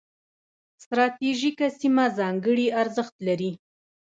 ستراتیژیکه سیمه ځانګړي ارزښت لري.